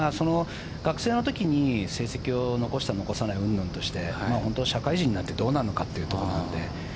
学生の時に成績を残した残さないうんぬんとして社会人になってどうなのかというところなので。